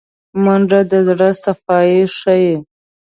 منډه د زړه صفايي ښيي